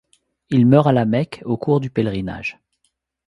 Il meurt à La Mecque au cours du pèlerinage.